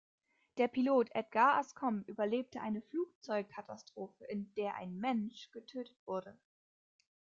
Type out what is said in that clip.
Der Pilot Edgar Anscombe überlebte eine Flugzeugkatastrophe, in der ein Mensch getötet wurde.